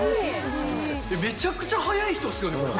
めちゃくちゃ速い人ですよね、これ。